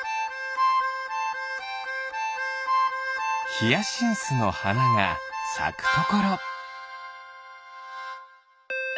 ヒヤシンスのはながさくところ。